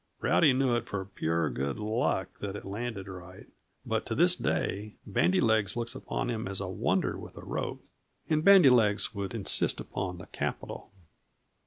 Rowdy knew it for pure good luck that it landed right, but to this day Bandy legs looks upon him as a Wonder with a rope and Bandy legs would insist upon the capital.